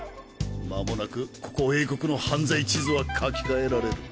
間もなくここ英国の犯罪地図は書き換えられる。